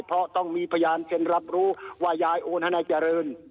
เพราะต้องมีพยานเซ็นรับรู้ว่ายายโอนให้นายเจริญ